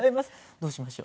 どうしましょう？